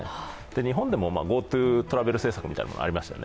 日本でもＧｏＴｏトラベル政策みたいなものもありましたよね。